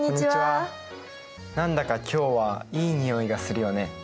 何だか今日はいい匂いがするよね。